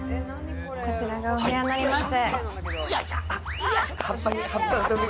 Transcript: こちらがお部屋になります。